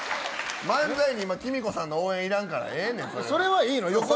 漫才にきみ子さんの応援いらんから、ええねん。